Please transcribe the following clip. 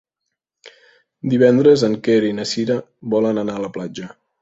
Divendres en Quer i na Cira volen anar a la platja.